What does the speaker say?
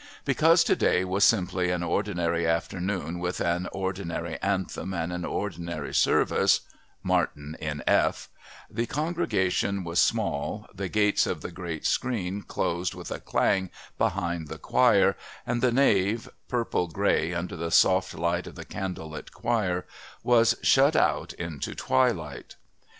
Because to day was simply an ordinary afternoon with an ordinary Anthem and an ordinary service (Martin in F) the congregation was small, the gates of the great screen closed with a clang behind the choir, and the nave, purple grey under the soft light of the candle lit choir, was shut out into twilight.